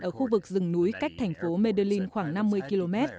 ở khu vực rừng núi cách thành phố medulin khoảng năm mươi km